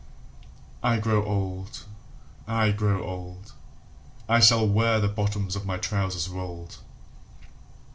I grow old ... I grow old ... I shall wear the bottoms of my trousers rolled.